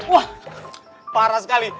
wah parah sekali